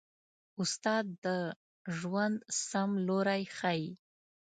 استاد د ژوند سم لوری ښيي.